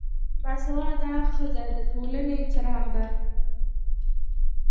با سواده ښځه دټولنې څراغ ده